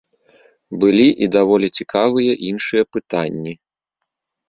Былі і даволі цікавыя іншыя пытанні.